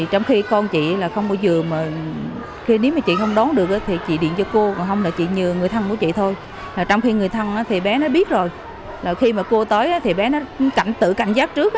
rồi khi mà cô tới thì bé nó tự cảnh giáp trước